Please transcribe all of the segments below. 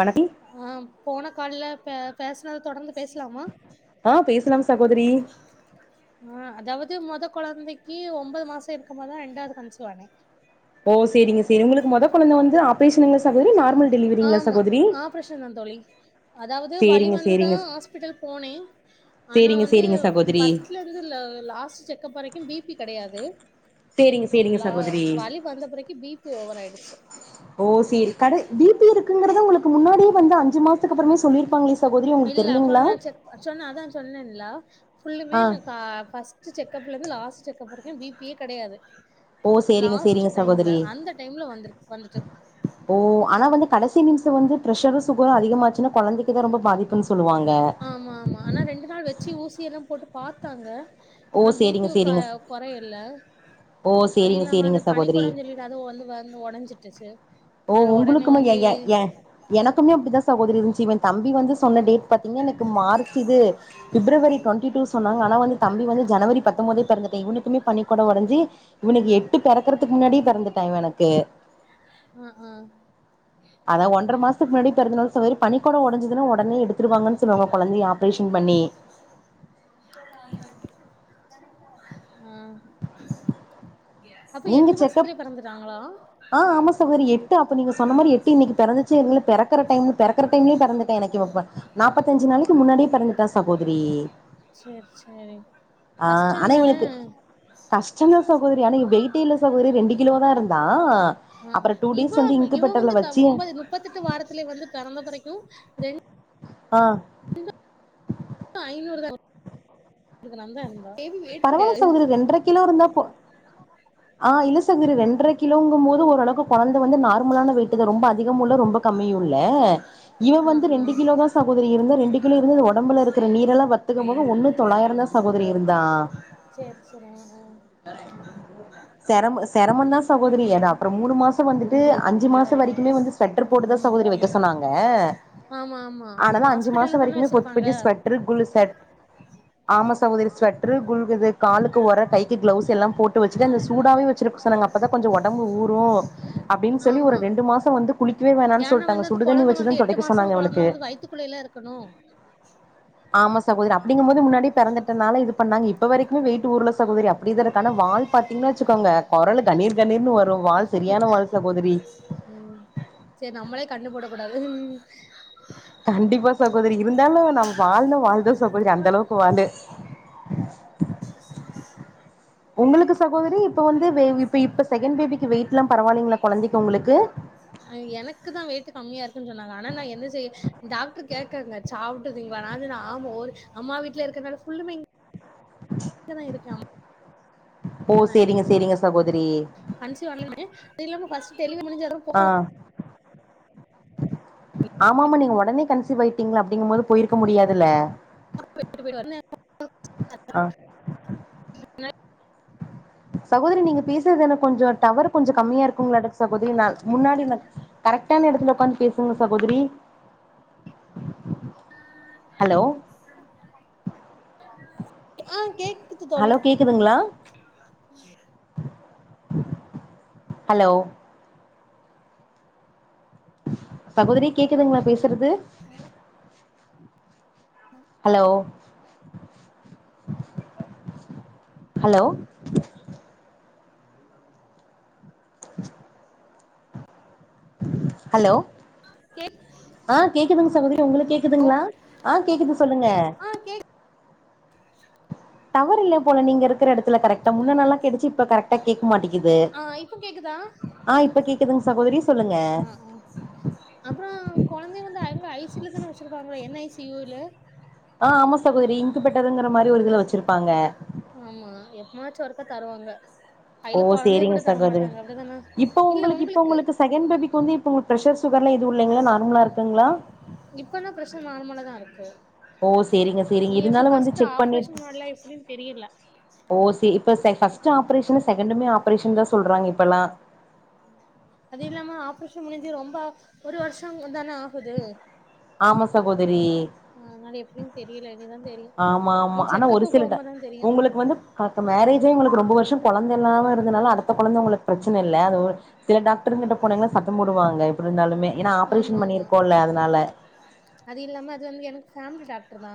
வணக்கம் ஆ போன கால்ல பே பேசுனத தொடர்ந்து பேசலாமா ஆ பேசலாம் சகோதரி ஆ அதாவ்து மொத கொழந்தைக்கி ஒம்பது மாச இருக்கமோதா ரெண்டாவ்து கன்சீவ்வானே ஓ சேரிங்க சேரி உங்களுக்கு மொத கொழந்த வந்து ஆப்ரேஷனுங்ளா ஆமா ஆப்ரேஷன் தா தோழி அதாவ்து வழி சேரிங்க வந்து தா சேரிங்க ஆஸ்பிட்டல் போனே ஆனா சேரிங்க வந்து சேரிங்க சகோதரி ஃபஸ்ட்ல இதுல லாஸ்ட்டு செக்கப் வரைக்கு பி பி கெடயாது சேரிங்க சேரிங்க லா சகோதரி வலி வந்த பெறக்கி பி பி ஓவர்றாய்டுச்சு ஓ சேரி கடை பி பி இருக்குங்கறத உங்களுக்கு முன்னாடியே வந்து அஞ்சு மாசத்க்கப்றமே சொல்லிருப்பாங்ளே சகோதரி உங்களுக் இல்ல தெர்லீங்ளா அப்பல்லா செக் சொன்ன அதா சொன்னேன்லா ஃபுல்லுமே ஆ கா ஃபஸ் ட்டு செக்கப்லந்து லாஸ்ட்டு செக்கப் வரைக்கு பி பி யே கெடயாது ஓ சேரிங்க லாஸ்ட்டு சேரிங்க டைம்ல சகோதரி அந்த டைம்ல வந்துரு வந்துட்டு ஓ ஆனா வந்து கடசி நிம்ஷோ வந்து ப்ரெஷரு சுகரு அதிகமாச்சுனா கொழந்தைக்குதா ரொம்ப பாதிப்புன் சொல்வாங்க ஆமாமா ஆனா ரெண்டு நாள் வச்சி ஊசி எல்லா போட்டு பாத்தாங்க ஓ ஆனா பி சேரிங்க பி க சேரிங்க கொறையல ஓ அது சேரிங்க இல்லாம அந்த சேரிங்க சகோதரி பனிக்கொடோ சொல்லிட்டு அது வந்து வந்து ஒடஞ்சிட்டுச்சு ஓ அதனால ஒடனே உங்ளுக்குமே எ வந்து எ எ எனக்குமே அப்டிதா சகோதரி இருன்ச்சு இவெ தம்பி வந்து சொன்ன டேட் பாத்தீங்னா எனக்கு மார்ச் இது பிப்ரவரி ட்வெண்டி டூ சொன்னாங்க ஆனா வந்து தம்பி வந்து ஜனவரி பத்தம்போதே பெறந்துட்டா இவனுக்குமே பனிக்கொட ஒடஞ்சு இவனுக்கு எட்டு பெறக்குறதுக்கு முன்னாடியே பெறந்துட்டா இவ எனக்கு ஆ அதா ஒன்றரை மாசத்துக்கு முன்னாடி பெறந்தனால சகோதரி பனிக்கொட ஒடஞ்சதுன்னா ஒடனே எடுத்துருவாங்கன்னு சொல்லுவாங்க கொழந்தைய ஆப்ரேஷன் பண்ணி [inaudible] [inaudible] ம் அப்ப நீங்க எட்டு மாசத்லே செக்கப் பெறந்துட்டாங்ளா ட்டு அப்ப நீங்க சொன்ன மாரி எட்டு இன்னக்கி பெறந்துச்சு [inaudible] பெறக்கற டைம்ல பெறக்கற டைம்லே பெறந்துட்டா எனக்கு இவ இப்ப நாப்பத்தஞ்சி நாளைக்கு முன்னாடியே பெறந்துட்டா சகோதரி சேர் சேரி ஆ கஷ்டோ ஆனா இல்லல இவனுக்கு கஷ்டந்தா சகோதரி ஆனா வெயிட்டே இல்ல சகோதரி ரெண்டு கிலோ தா இருந்தா ம் அப்புற டூ இ டேஸ் வந்து [unintelligible] இவ இன்குபேட்டர்ல வந்து க வச்சு ஒம்பது முப்பத்தெட்டு வாரத்லே வந்து பெறந்த பெறகு ரெண் ஆ ஐநூறு தா இது நந்த அன்பா பரவால சகோதரி ரெண்டர கிலோ இருந்தா போ ஆ இல்ல ரெண்டர கிலோங்கும் போது ஓரளவுக்கு கொழந்த வந்து நார்மலான வெயிட்டுதா ரொம்ப அதிகமு இல்ல ரொம்ப கம்மியுல்ல இவ ஆ வந்து ஆ ரெண்டு கிலோ தா சகோதரி இருந்தா ரெண்டு கிலோ இருந்து உடம்புல இருக்குற நீரெல்லா வத்தி த்துக்கும் போது ஒன்னு தொள்ளாயிரந் தா சகோதரி இருந்தா சேர் சேரி ம் ம் செரமு செரமுந்தா சகோதரி ஏதா அப்பறோ மூணு மாசம் வந்துட்டு அஞ்சு மாசோ வரைக்குமே வந்து ஸ்வெட்டர் போட்டு தா சகோதரி வெக்க சொன்னாங்க ஆ ஆமா ஆமா ஆனாலா அஞ்சு ஹாஸ்பிட்டல்ல மாசோ தான வரைக்குமே வச்சிருப்பாங்க புது ஸ்வெட்டரு குலு செட் ஆமா சகோதரி ஸ்வெட்டரு குல்குது காலுக்கு ஒர கை கிளவுஸ் எல்லா போட்டு வெச்சுட்டு அந்த சூடாவே வெச்சிருக் சொனாங்க அப்ப தா கொஞ்ச உடம்பு ஊரு அப்டின்னு சொல்லி ஒரு ஆமா ரெண்டு மாசோ வந்து குளிக்கவே வேணான்னு ஏன்னா சொல்ட் நாங்க வந்து சுடு தண்ணி வெச்சு தா தொடைக்க சொன்னாங்க இவளுக்கு குள்ள எல்லா இருக்கணு ஆமா சகோதரி அப்டிங்கம் போது முன்னாடி பொறந்தட்டனால இது பண்ணாங்க இப்ப வரைக்குமே வெயிட் ஊரல சகோதரி அப்டியே தற்கான வாய்ஸ் பாத்தீங்கனா வெச்சுக்கோங்க கொரலு கணீர் கணீர்ன்னு வரு வாய் சரியான வாய் சகோதரி ம் சேரி நம்மளே கண்ணு போடக் கூடாது கண்டிப்பா சகோதரி இருந்தாலு நம்ம வாலுனா வாலு தா சகோதரி அந்த அளவுக்கு வாலு மகிழ் ஜெஸிமா உங்களுக்கு சகோதரி இப்ப வந்து வெ இப்ப இப்ப செகண்ட் பேபிக்கு வெயிட் எல்லா பரவாலிங்களா கொழந்தைக்கு உங்களுக்கு எனக்கு தா வெயிட் கம்மியா இருக்குன்னு சொன்னாங்க ஆனா நா என்ன செய்ய டாக்டர் கேக்காங்க சாப்புட்டுதுங்களானா அது நாமு ஒரு அம்மா வீட்ல இருறனால ஃபுல்லுமே இங் கதா இருக்க அம் ஓ ட்ல தா இருக்கே சேரிங்க சேரிங்க சகோதரி கன்சிவா ஆனதுமே ஃப்ஸ்ட் டெவலரி முடிம்சா தா போ ஆமாம நீங்க உடனே கன்சிவ் ஆயிட்டிங்கல அப்டிங்கும் போது போயிருக்க முடியாதுல்ல [unintelligible] ஆ னே சகோதரி நீங்க பேசுறதுன கொஞ்ச டவர் கொஞ்சோ கம்மியா இருக்குங்களாட்டுக்கு சகோதரி நா முன்னாடி கரெக்டான எடத்துல உக்காந்து பேசுங்க சகோதரி ஹலோ ஆ கேக்கு ஹலோ கேக்குதுங்களா ஹலோ சகோதரி கேக்குதுங்களா பேசறது ஃபேன் ஹலோ ஹலோ ஹலோ கேக் ஆ கேக்குதுங்க சகோதரி உங்களுக்கு கேக்குதுங்ளா ஆ கேக்குது சொல்லுங்க ஆ கேக் [unintelligible] டவர் இல்ல போல நீங்க இருக்குற எடத்துல கரெக்டா முன்ன நல்லா கேட்டுச்சு இப்ப கரெட்டா கேக்க மாட்டிக்குது ஆ இப்ப கேக்குதா ஆ இப்ப கேக்குதுங்க சகோதரி சொல்லுங்க ஓ [unintelligible] அதா கொழந்த வந்து உள்ள ஐ சி யூ ல தான வெச்சுருக்காங்க என் ஐ சி யூ ல அ ஆமா சகோதரி இன்குபெட்டருங்குற மாரி ஒரு இதுல வெச்சிருப்பாங்க ஆமா எப்பமாச்சு ஒருக்கா தருவாங்க ஓ கைய்ல கொழந்தைய சேரிங்க கூட சகோதரி தரமாட்டாங்க அப்டிதான இல்ல உங்களுக்கு செகண்ட் பேபிக்கு வந்து இப்ப உங்களுக்கு ப்ரஷர் சுகர்லா எது இல்லைங்ளா நார்மலா இருக்குங்ளா இப்பலா ப்ரஷர் நார்மலா தா இருக்கு ஓ சேரிங்க சேரிங்க இனி எப்டி இருந்தாலு வந்து ஃபர்ஸ்ட் செக் ஆப்ரேஷன் பண்ணிட்டு முன்னாடிலா எப்டின் தெரியல ஓ சே இப்ப செ ஃபர்ஸ்ட் ஆப்ரேஷனு செகண்டுமே ஆப்ரேஷன் தா சொல்றாங்க இப்பல்லா அது இல்லாம ஆப்ரேஷன் முடிஞ்சு ரொம்ப ஒரு வருஷம் தானே ஆகுது ஆமா சகோதரி அதனால எப்டின் தெரியல இனிதா தெரியு ஆமா நீ ஆமா ஆனா ஒரு செக்கப்பு சில ட போகும்போதுதா தெரியு உங்களுக்கு வந்து காப்டர் மேரேஜே உங்களுக்கு ரொம்ப வர்ஷோ கொழந்த இல்லாம இருந்தனால அடுத்த கொழந்த உங்களுக்கு பிரச்சன இல்ல அது சில டாக்டர்ங்கிட்ட போனீங்ன்னா சத்தம் போடுவாங்க எப்டி இருந்தாலுமே ஏனா ஆமா ஆப்ரேஷன் ஆமா பண்ணியிருக்கோல அதனால அது இல்லாம அது வந்து எனக்கு ஃபேமிலி டாக்ட்ரு தா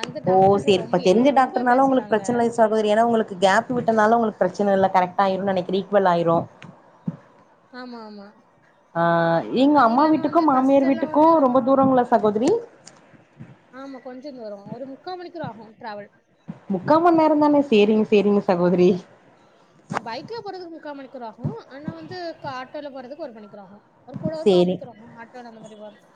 அந்த ஓ டாக்ட்ரு சரிப்ப ரொம்ப தெரிஞ்ச என்ன ரொம்போ டாக்டர்னால உங்களுக்கு பேசிட்டாங்க பிரச்சன இல்ல சகோதரி ஏனா‌ உங்களுக்கு கேப் விட்டனால உங்களுக்கு பிரச்சன இல்ல கரெக்ட்டாயிரு நெனக்கிறே ஈக்வல் ஆயிரு ஆமாமா அ எங்க அம்மா வீட்டுக்கு மாமியார் எல்லா வீட்டுக்கு வந்து ரொம்ப ரொ தூரங்ளா சகோதரி ஆமா கொஞ்ச தூரோ ஒரு முக்கா மணி கூர் ஆகு டிராவல் முக்கா மண் நேரந்தான சேரிங்க சேரிங்க சகோதரி பைக்ல போறதுக்கு முக்கா மணிக்கூர் ஆகு ஆனா வந்து காட்டோல போறதுக்கு ஒரு மணிக்கூர் ஆகு ஒரு கூட கா சேரி மணி கூர் ஆகுங்க ஆட்டோல அந்த மாத்ரி வர்துக்கு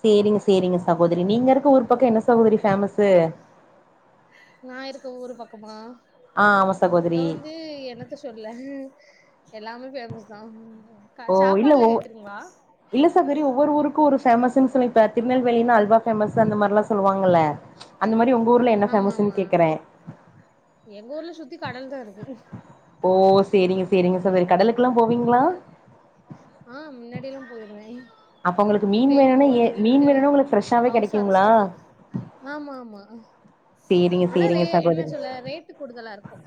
சேரிங்க சேரிங்க சகோதரி நீங்க இருக்கற ஊர் பக்கோ என்ன சகோதரி ஃபேமஸ்ஸு நா இருக்க ஊரு பக்கமா ஆ ஆமா இங்க சகோதரி வந்து எனக் என்னத்த சொல்ல எல்லாமே ஃபேமஸ் தா க ஓ இல்ல சாப்பாடுல ஒ கேக்குறீங்களா இல்ல சகோதரி ஒவ்வொரு ஊருக்கு ஒரு ஃபேமஸுன் சொல்லி இப்ப திருநெல்வேலின்னா அல்வா பேமஸு அந்த மாரில்லா சொல்லுவாங்கல்ல அந்த மாரி உங்க ஊர்ல என்ன ஆமா பேமஸுன் ஆமா கேக்கறே எங்க ஊர்ல சுத்தி கடல் தா இருக்கு ஓ சேரிங்க சேரிங்க சகோதரி கடலுக்கெல்லா போவீங்ளா [unintelligible] போவீங்ளா ஆ மின்னாடி எல்லா போயிருவே அப்ப உங்களுக்கு இப்ப மீன் எங்க வேணும்னா ஏ போவற்துக்கு மீன் இங்க வேணும்னா உங்களுக்கு ஃப்ரெஷ்ஷாவே ஹவுஸ் கெடைக்குங்களா அரஸ்ட்டு தா ஆமா ஆமா சேரிங்க ஆனா சேரிங்க ரே என்ன சகோதரி சொல்ல ரேட்டு கூடுதலா இருக்கு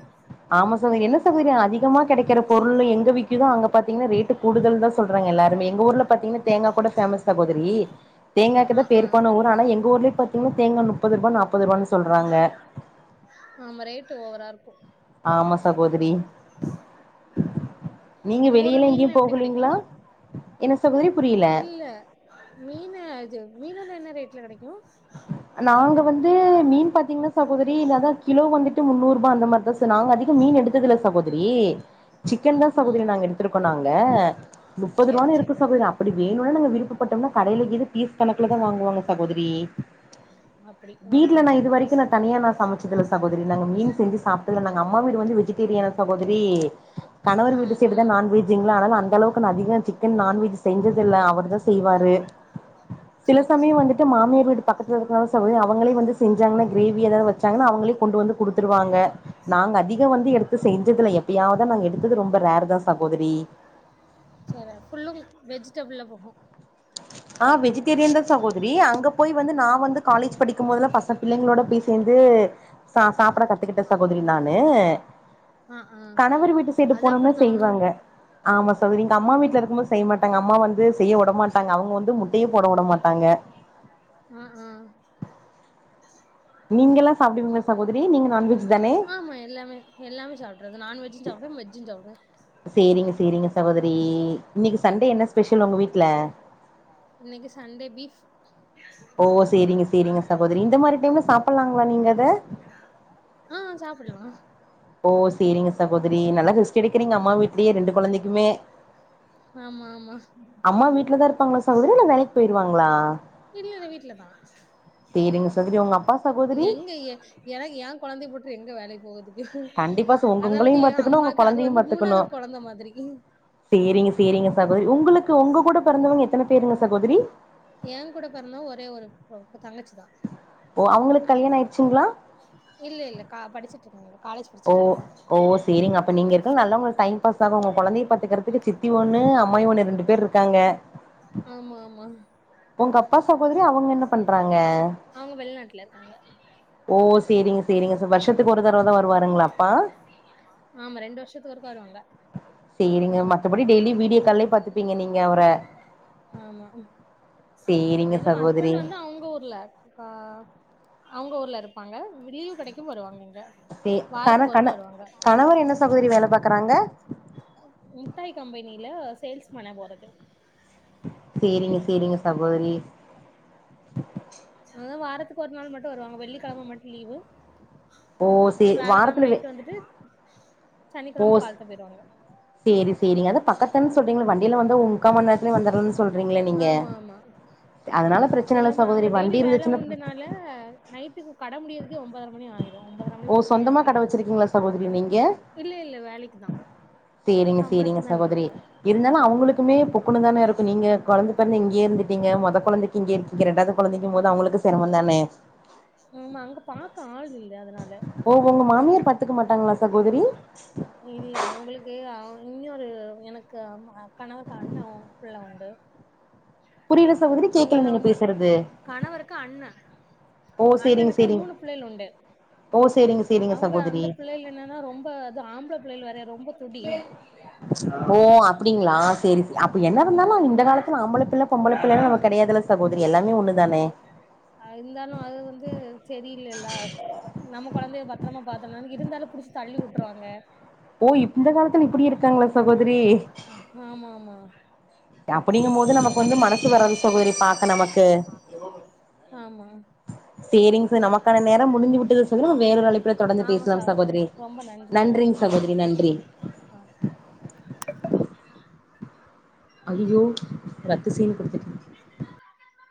ஆமா சகோதரி என்ன சகோதரி அதிகமா கெடைக்கிற பொருள் எங்க விக்குதோ அங்க பாத்தீங்கன்னா ரேட்டு கூடுதல்ந்தா சொல்றாங்க எல்லாருமே எங்க ஊர்ல பாத்தீங்கன்னா தேங்கா கூட ஃபேமஸ் சகோதரி தேங்காக்கு ஆ தா ஆ பேர் போன ஊர் ஆனா எங்க ஊர்லி பாத் தேங்கா நுப்பதுருபா நாப்பதுருபானு ஆமா ரேட்டு ஓவரா இருக்கு ஆமா சகோதரி நீங்க உங்க ஊர்ல வெளியில எங்கேயு மீன்லா எப்டி கெடைக்கு போகலீங்களா என்ன சகோதரி புரிய்ல இல்ல மீனு இது மீனெல்லா என்ன ரேட்ல கெடைக்கு நாங்க வந்து மீன் பாத்தீங்னா சகோதரி நா அதா கிலோ வந்துட்டு முன்னூறுபா அந்த மாரிதா சா தத்து நாங்க அதிக மீனு எடுத்ததில்ல சகோதரி சிக்கன் ஆ தா ஆ சகோதரி நாங்க எடுத்திருக்கோ நாங்க முப்பது சேரி ரூவானு சேரி இருக்கு சகோதரி அப் அப்டி வேணுனா நாங்க விருப்பப்பட்டம்னா கடைல இது பீஸ் கணக்குல தா வாங்குவாங்க சகோதரி அப் வீட்ல நா இது வரைக்கு நா தனியா நா சமைச்சதில்ல சகோதரி நாங்க மீன் செஞ்சு சாப்டதில்ல நாங்க அம்மா வீடு வந்து வெஜ்ஜி டேரியனா சகோதரி கணவர் ஆ வீட்டு சைடுதா ம் நான்வெஜ்ஜுங்ளா அதனால அந்த அளவுக்கு நா அதிகமா சிக்கன் நான்வெஜ்ஜு செஞ்சதில்ல அவரு தா செய்வாரு சேரி இப்பயுமே சேரி வந்துட்டு மாமியார் வீடு பக்கத்துல இருக்கனால சகோதரி அவங்களே வந்து செஞ்சாங்கனா கிரேவி எதாவ்து வச்சாங்கனா அவங்களே கொண்டு வந்து குடுத்துருவாங்க [inaudible] நாங்க அதிக வந்து எடுத்து செஞ்சதில்ல எப்பயாவதுதா நாங்க எடுத்தது ரொம்ப ரேர் தா சகோதரி சேரியா ஃபுல்லு வெஜிடபிள்ல போகு ஆ வெஜிட்டேரியன் தா சகோதரி அங்கப் போய் வந்து நா வந்து காலேஜ் படிக்கும்போதெல்லா பச பிள்ளைங்களோட போய் சேந்து சா சாப்ட கத்துக்கிட்டே சகோதரி நானு ஆ ஆ கணவர் வீட்டு சைடு அது போனம்னா அப்டிதா செய்வாங்க ஆமா சகோதரி எங்க அம்மா வீட்ல இருக்கும்போது செய்மாட்டாங்க அம்மா வந்து செய்யவுடமாட் டாங்க அவ்ங்க வந்து முட்டையே போடவுட மாட்டாங்க ம் ம் நீங்கல்லா சாப்டுவீங்களா சகோதரி நீங்க நான்வெஜ் தானே ஆமா எல்லாமே எல்லாமே சாப்ட்றது நான்வெஜ்ஜு சாப்டுவே வெஜ் ஜு சாப்டுவே சேரிங்க சேரிங்க சகோதரி இன்னைக்கு சண்டே என்ன ஸ்பெஷல் ஒங்க வீட்ல இன்னைக்கு சண்டே பீஃப் ஓ சேரிங்க சேரிங்க சகோதரி இந்த மாரி டைம்ல சாப்பிட்லாங்களா நீங்க அத ஆ சாப்பிட்லா ஓ சேரிங்க சகோதரி நல்லா ரெஸ்ட் எடுக்குறீங்க அம்மா வீட்லயே ரெண்டு கொழந்தைக்குமே ஆமா ஆமா அம்மா வீட்ல தா இருப்பாங்களா சகோதரி இல்ல வேலைக்கு போயிருவாங்ளா இல்லல்ல வீட்ல தா சேரிங்க சகோதரி உங்க அப்பா சகோதரி எங்க எ எனக்கு ஏ கொழந்தைய போட்டு எங்க வேலைக்கு போகத்துக்கு கண்டிப்பா ச- உங்க உங்களையு அதாவ்து எ பாத்துக்கணு உங்க அம்மாக்கு அது கொழந்தையு வந்து பாத்துக்கணு மூணாவ்து கொழந்த மாதிரி சேரிங்க சேரிங்க சகோதரி உங்களுக்கு ஒங்கக்கூட பெறந்தவ்ங்க எத்தன பேருங்க சகோதரி ஏங்கூட பெறந்தவ ஒரே ஒரு பொ தங்கச்சிதா ஓ அவுங்களுக்கு கல்யாண ஆயிருச்சுங்ளா இல்ல இல்ல கா படிச்சிட்ருக்காங்க ஓ சேரிங்க ஓ சேரிங்க அப்ப நீங்க இருக்கது நல்லா உங்களுக்கு டைம் பாஸ் ஆகு உங்க கொழந்தைய பாத்துக்கறத்துக்கு சித்தி ஒன்னு அம்மாயி ஒன்னு ரெண்டு பேரு இருக் காங்க ஆமாம்மா ஒங்க அப்பா சகோதரி அவுங்க என்ன பண்றாங்க அவ்ங்க வெளிநாட்ல இருக்காங்க ஓ சேரிங்க சேரிங்க ச வர்ஷத்துக்கு ஒரு தரவதா வருவாருங்ளா அப்பா ஆமா ரெண்டு வருஷத்துக்கு ஒருக்கா வருவாங்க சேரிங்க மத்தபடி டெய்லியு வீடியோ கால்லே பாத்துப்பீங்க நீங்க அவர ஆமா அது சேரிங்க இல்லம சகோதரி ஹஸ்பண்ட்டு வந்து அவுங்க ஊர்ல கா அவுங்க ஊர்ல இருப்பாங்க லீவு கெடைக்கும் வருவாங்க இங்க சே கண வாரத்துக்கு கண ஒருக்கா வருவாங்க கணவர் என்ன சகோதரி வேல பாக்கறாங்க முட்டாய் கம்பெனில சேல்ஸ் மேனே ஒரகு சேரிங்க சேரிங்க சகோதரி அதா வாரத்துக்கு ஒரு நாள் மட்டு வருவாங்க வெள்ளிக்கெழம மட்டு லீவு ஓ சே வேலக்கெழம வாரத்துல வே நைட்டு வந்துட்டு ஓ சனிக்கெழம காலத்த போயிருவாங்க சேரி சேரிங்க அதாம் பக்கத்தன் சொல்றீங்கள வண்டில வந்தா ஒ முக்கா மண் நேரத்லே வந்தர்றன்ச் ஆமா ஆமா அதனால அது பிரச்சன இல்ல இல்லாம சகோதரி அங்க டெய்லி வண்டி வேல இருந்துச்சுன்னா உண்டுனால நைட்டுக்கு கட முடியதுக்கே ஒம்போதர மணி ஆயிர் ரு ஒம்போதர மணி ஓ பத்து மணி சொந்தமா கட ஆகிரு வச்சிருக்கீங்களா சகோதரி நீங்க இல்ல இல்ல வேலைக்குதா சேரிங்க சேரிங்க சம்பளத்துக்குதா சகோதரி நிக்கறாங்க இருந்தாலு அவுங்குளுக்குமே பொக் குனுந்தானே இருக்கு நீங்க கொழந்த பெறந்து இங்யே இருந்துட்டீங்க மொதக் கொழந்தைக்கி இங்யே இருக்கீங்க ரெண்டாவது கொழந்தைக்கம்மோது அவுங்களுக்கு சிரமந்தானே ஆமா அங்க பாக்க ஆள் இல்ல அதனால ஓ ஒங்க மாமியார் பத்துக்க மாட்டாங்களா சகோதரி அ இல்ல அவுங்களுக்கு அவுங் இன்னொரு எனக்கு அம் அக் கணவருக்கு அண்ணே வு பிள்ள உண்டு புரியல சகோதரி கேக்கல அவுங்கள்லா நீங்க வந்த பேசுறது கணவருக்கு அண்ணே ஓ சேரிங்க அண்ணனுக்கு சேரிங்க மூனு பிள்ளைள் உண்டு ஓ சேரிங்கச் அவுங்க அந்தப் பிள்ளைல என்னனா ரொம்ப அது ஆம்பள பிள்ளைல் வேறைய ரொம்பத் ஓ அப்டிங்ளா சேரிச் அப்ப என்ன ஆமா பண்ணாலு இந்த காலத் துல ஆம்பளப் பிள்ள பொம்பளப் பிள்ளைலா நமக் கெடையாதுல்ல சகோதரி எல்லாமே ஒன்னுதானே அ இந்தாலு அது வந்து செரியில்லல்லா நம்ம கொழந்தைய பத்ரமா பாத்தனான் இருந்தாலு புடிச்சு தள்ளி வுட்ருவாங்கே ஓ இப் இந்த காலத்துல இப்டி இருக்காங்ளா சகோதிரி ஆமா மா அப்பிடிங்கம்மோது நமக்கு வந்து மனசு வராது சகோதரி பாக்க நமக்கு ஆமா சேரிங்ச நமக்கான நேரம் முடிந்தி விட்டது [unintelligible] நம் வேறொரு அழைப்புல தொடர்ந்து பேச்லாம் சகோதரி நன்றிங் சகோதரி நன்றி ஆ ஐயியோ ரத்து செய்யின் குடுத்துட்ட ச [unintelligible]